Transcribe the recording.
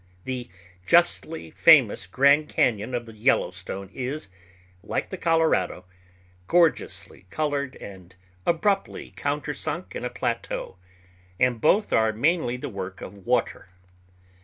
The justly famous Grand Cañon of the Yellowstone is, like the Colorado, gorgeously colored and abruptly countersunk in a plateau, and both are mainly the work of water.